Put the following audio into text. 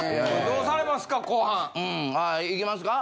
どうされますか？